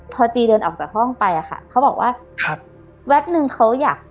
พอจีเดินออกจากห้องไปอะค่ะเขาบอกว่าครับแป๊บนึงเขาอยาก